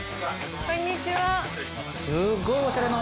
こんにちは。